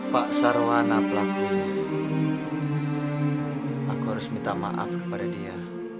pak sarwana pelaku aku harus minta maaf kepada dia